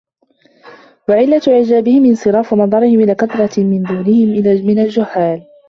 وَعِلَّةُ إعْجَابِهِمْ انْصِرَافُ نَظَرِهِمْ إلَى كَثْرَةِ مَنْ دُونَهُمْ مِنْ الْجُهَّالِ